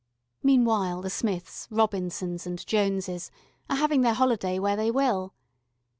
Meanwhile the Smiths, Robinsons, and Joneses are having their holiday where they will.